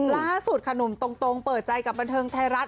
ล่าสุดค่ะหนุ่มตรงเปิดใจกับบันเทิงไทยรัฐ